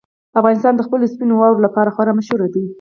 افغانستان د خپلو سپینو واورو لپاره خورا مشهور دی.